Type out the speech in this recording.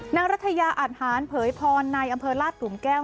นางรัฐยาอาทหารเผยพรในอำเภอลาดหลุมแก้ว